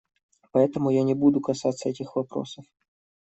Поэтому я не буду касаться этих вопросов.